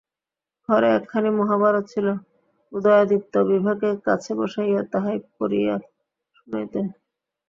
ঘরে একখানি মহাভারত ছিল, উদয়াদিত্য বিভাকে কাছে বসাইয়া তাহাই পড়িয়া শুনাইতেন।